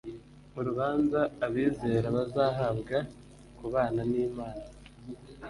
urubanza abizera bazahabwa kubana n imana